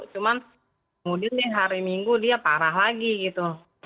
cuman kemudian deh hari minggu dia parah lagi gitu